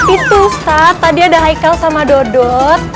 itu staf tadi ada haikal sama dodot